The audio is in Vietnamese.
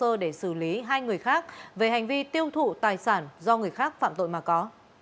hội đồng xét xử lý hai người khác về hành vi tiêu thụ tài sản do người khác phạm tội mà có